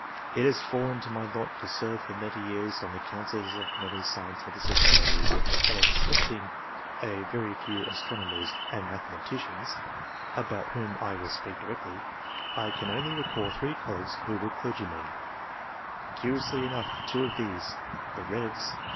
It has fallen to my lot to serve for many years on the councils of many scientific societies, and, excepting a very few astronomers and mathc maticians, about whom I will speak directly, I can only recall 3 colleagues who were clergy men ; curiously enough, 2 of these, the Eevs.